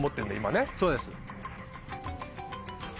そうです。